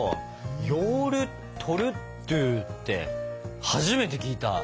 ヨウルトルットゥって初めて聞いた。